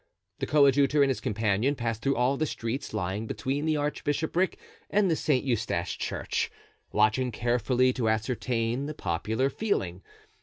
The coadjutor and his companion passed through all the streets lying between the archbishopric and the St. Eustache Church, watching carefully to ascertain the popular feeling.